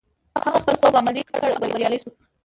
هغه خپل خوب عملي کړ او بريالی شو.